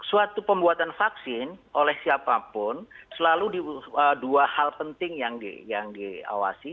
suatu pembuatan vaksin oleh siapapun selalu dua hal penting yang diawasi